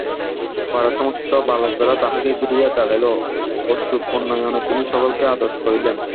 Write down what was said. পাড়ার সমস্ত বালকেরা তাঁহাকে ঘিরিয়া দাঁড়াইল, অশ্রুপূর্ণনয়নে তিনি সকলকে আদর করিলেন।